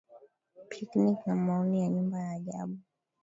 picnic na maoni ya nyumba ya ajabu